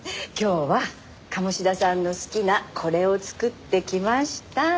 今日は鴨志田さんの好きなこれを作ってきました。